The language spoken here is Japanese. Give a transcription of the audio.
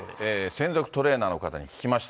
専属トレーナーの方に聞きました。